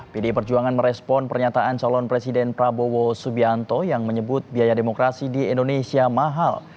pdi perjuangan merespon pernyataan calon presiden prabowo subianto yang menyebut biaya demokrasi di indonesia mahal